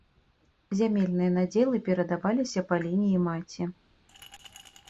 Зямельныя надзелы перадаваліся па лініі маці.